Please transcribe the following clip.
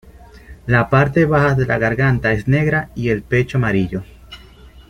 La parte baja de la garganta es negra y el pecho amarillo.